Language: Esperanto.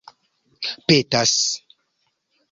petas